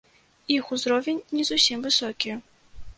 Іх узровень не зусім высокі.